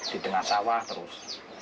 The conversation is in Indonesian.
di tengah sawah terus